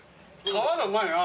皮がうまいな。